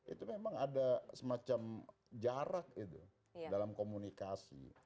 itu memang ada semacam jarak itu dalam komunikasi